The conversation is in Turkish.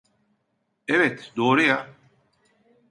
Evet, doğru ya.